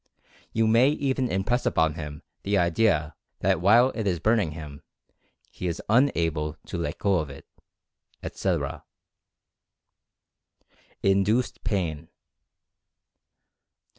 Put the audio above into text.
You may even impress upon him the idea that while it is burn ing him, he is unable to let go of it, etc. INDUCED PAIN.